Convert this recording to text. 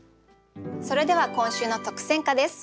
それでは今週の特選歌です。